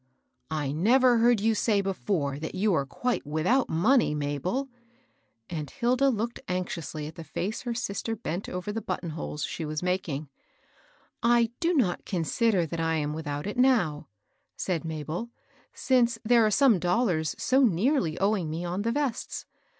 " I never heard you say before that you were quite without money, Mabel I " And. SJLia»\a^8J5^ 212 MABEL ROSS. anziousij at the face her sister bent over the but ton holes she was making. " I do not consider that I am without it now," said Mabel, ^^ since there are some dollars so nearly owing me on the vests.